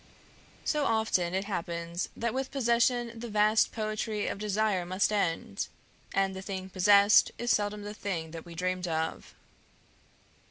So often it happens that with possession the vast poetry of desire must end, and the thing possessed is seldom the thing that we dreamed of.